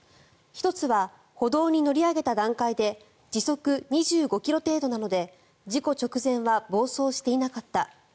１つは、歩道に乗り上げた段階で時速２５ｋｍ程度なので事故直前は暴走していなかった。